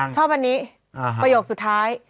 ชอบอันนี้ประโยคสุดท้าย